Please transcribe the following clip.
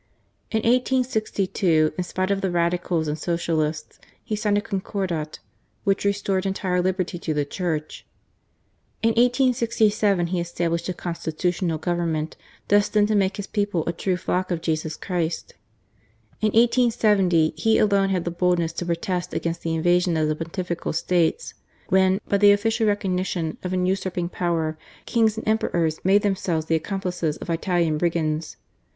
In 1862, in spite of the Radicals and Socialists, he signed a Concordat which restored entire liberty to the Church. In 1867 he established a Constitutional Govern ment destined to make his people a true flock of Jesus Christ. In 1870, he alone had the boldness to protest against the invasion of the Pontifical States, when, by the official recognition of an usurping power, kings and emperors made themselves the PREFACE. ix accomplices of Italian brigands.